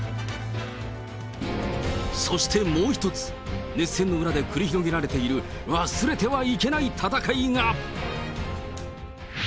そしてもう一つ、熱戦の裏で繰り広げられている、忘れてはいけない戦いが。